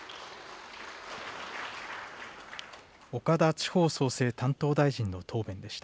岡田地方創生担当大臣の答弁でした。